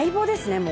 もう。